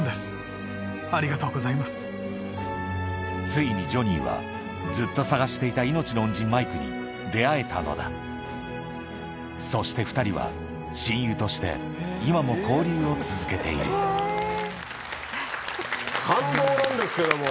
ついにジョニーはずっと捜していた命の恩人マイクに出会えたのだそして２人は親友として今も交流を続けている感動なんですけども。